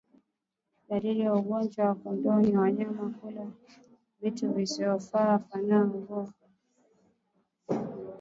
Dalili ya ugonjwa wa ndorobo ni wanyama kula vitu visivyofaa mfano udongo